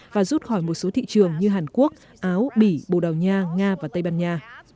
và rút khỏi một số thị trường như hàn quốc áo bỉ bồ đào nha nga và tây ban nha